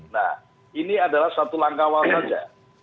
nah ini adalah satu langkah awal saja